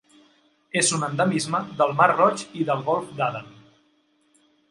És un endemisme del Mar Roig i del Golf d'Aden.